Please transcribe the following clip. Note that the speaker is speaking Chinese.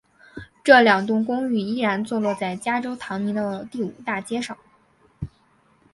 这两栋公寓依然坐落在加州唐尼的第五大街上。